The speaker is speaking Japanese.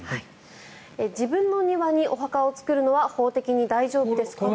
自分の庭にお墓を作るのは法的に大丈夫ですか？